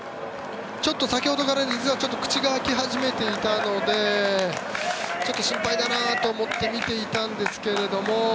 先ほどから実は口が開き始めていたのでちょっと心配だなと思って見ていたんですが。